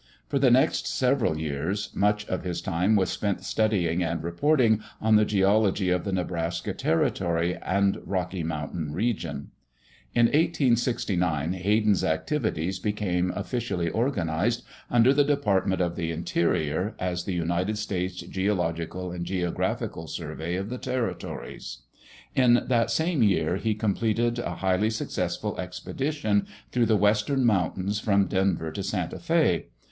For the next several years, much of his time was spent studying and reporting on the geology of the Nebraska Territory and Rocky Mountain Region. In 1869 Hayden's activities became officially organized under the Department of the Interior, as the United States Geological and Geographical Survey of the Territories. In that same year he completed a highly successful expedition through the western mountains from Denver to Santa Fe.